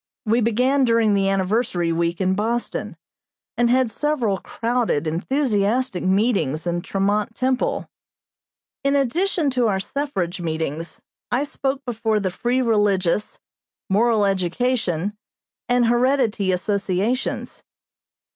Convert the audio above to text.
We began during the Anniversary week in Boston, and had several crowded, enthusiastic meetings in Tremont Temple. In addition to our suffrage meetings, I spoke before the Free Religious, Moral Education, and Heredity associations.